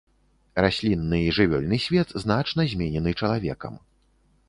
Раслінны і жывёльны свет значна зменены чалавекам.